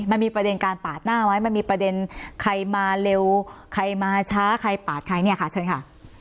มันมีประเด็นการปาดหน้าไว้มันมีประเด็นใครมาเร็วใครมาช้าใครปาดใครเนี่ยค่ะเชิญค่ะ